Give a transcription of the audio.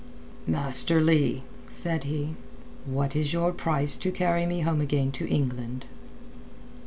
"Master Leigh," said he, "what is your price to carry me home again to England?"